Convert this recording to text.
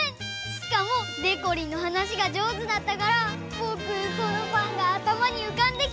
しかもでこりんのはなしがじょうずだったからぼくそのパンがあたまにうかんできたよ！